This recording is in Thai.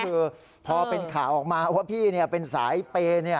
คือพอเป็นข่าวออกมาว่าพี่เป็นสายเปย์